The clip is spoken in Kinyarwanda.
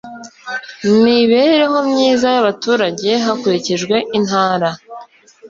mibereho myiza y abaturage hakurikijwe intara